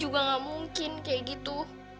gak mungkin kayak gitu